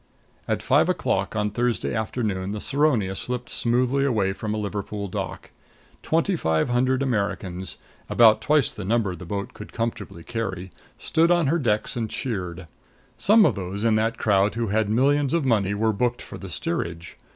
At five o'clock on Thursday afternoon the Saronia slipped smoothly away from a Liverpool dock. Twenty five hundred Americans about twice the number the boat could comfortably carry stood on her decks and cheered. Some of those in that crowd who had millions of money were booked for the steerage.